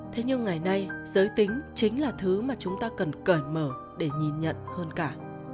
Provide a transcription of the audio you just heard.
thế nhưng ngày nay giới tính chính là thứ mà chúng ta cần cởi mở để nhìn nhận hơn cả